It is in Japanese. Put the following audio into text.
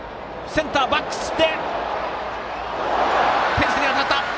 フェンスに当たった。